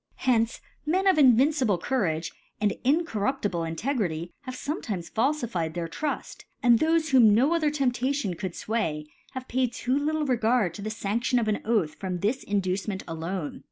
Hen?e Men of invincible Cou rage,., and ipcoxrpptible Integrity, have fqnY'tWes, falQfi?d their Truft ^ and thofc;, ;whQ^ no . QChcr' Temptation could fway, ;have paid too little R«gard to the Sandiofi of an Oath, from, this Inducement ajbne.